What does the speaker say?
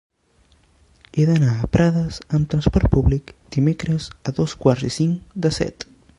He d'anar a Prades amb trasport públic dimecres a dos quarts i cinc de set.